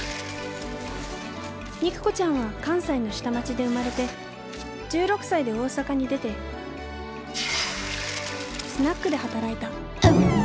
肉子ちゃんは関西の下町で生まれて１６歳で大阪に出てスナックで働いた。